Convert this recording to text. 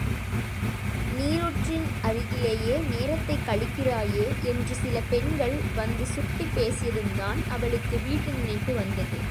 நீருற்றின் அருகிலேயே நேரத்தைக் கழிக்கிறாயே? என்று சில பெண்கள் வந்து சுட்டிப் பேசியதும்தான் அவளுக்கு வீட்டு நினைப்பு வந்தது.